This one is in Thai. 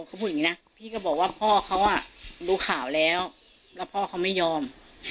เขาพูดอย่างนี้นะพี่ก็บอกว่าพ่อเขาอ่ะดูข่าวแล้วแล้วพ่อเขาไม่ยอม